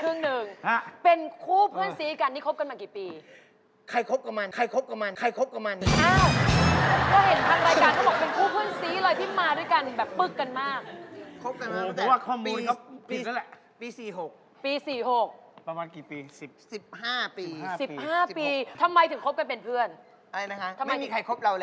มีเพื่อนที่แบบว่าไม่ส่งประกอบบ้าง